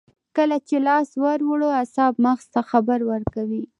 کله چې لاس ور وړو اعصاب مغز ته خبر ورکوي